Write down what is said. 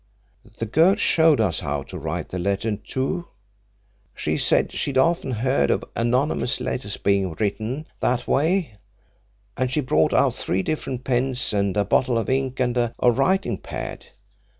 The girl showed us how to write the letter, too she said she'd often heard of anonymous letters being written that way and she brought out three different pens and a bottle of ink and a writing pad.